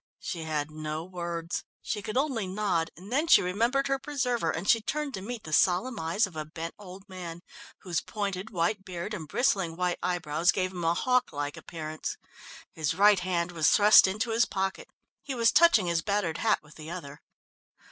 She had no words. She could only nod, and then she remembered her preserver, and she turned to meet the solemn eyes of a bent old man, whose pointed, white beard and bristling white eyebrows gave him a hawk like appearance. His right hand was thrust into his pocket. He was touching his battered hat with the other.